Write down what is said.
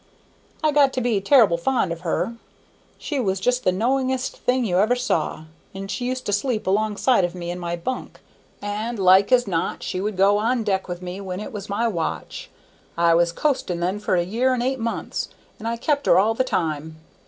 I got to be ter'ble fond of her. She was just the knowingest thing you ever saw, and she used to sleep alongside of me in my bunk, and like as not she would go on deck with me when it was my watch. I was coasting then for a year and eight months, and I kept her all the time.